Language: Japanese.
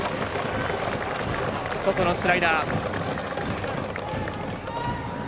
外のスライダー。